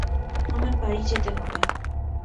আমার বাড়ি যেতে হবে।